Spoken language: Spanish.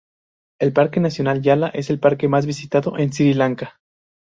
El Parque nacional Yala es el parque más visitado en Sri Lanka.